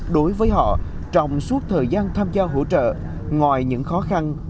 đối với họ trong suốt thời gian tham gia hỗ trợ ngoài những khó khăn